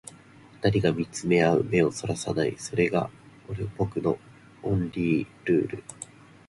二人見つめ合う目を逸らさない、それが僕のオンリールール